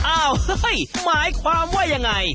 อ้าวเฮ้ยหมายความว่ายังไง